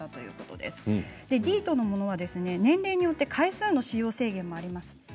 またディート成分は年齢によって回数の使用制限があります。